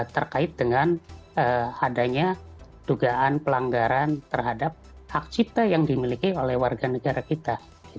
terkait dengan adanya dugaan pelanggaran terhadap hak cipta yang dimiliki oleh warga negara kita